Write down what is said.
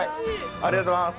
ありがとうございます。